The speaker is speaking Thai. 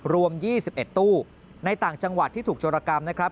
รวม๒๑ตู้ในต่างจังหวัดที่ถูกโจรกรรมนะครับ